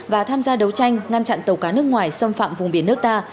và tham gia đấu tranh ngăn chặn tàu cá nước ngoài xâm phạm vùng biển nước ta